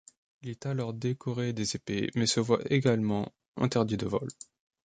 Il est alors décoré des épées mais se voit également interdit de vol.